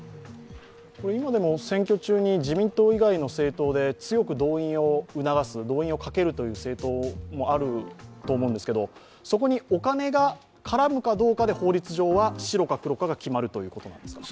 今でも選挙中に自民党以外の政党で強く動員をかけるという政党もあると思うんですけどそこにお金が絡むかどうかで法律上は白か黒か決まるわけですか？